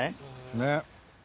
ねっ。